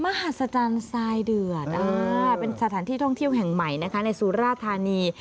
มหาศจรรย์ทรายเดือดเป็นสถานที่ท่องเที่ยวแห่งใหม่นะคะในสุราธานี